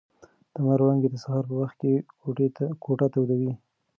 د لمر وړانګې د سهار په وخت کې کوټه تودوي.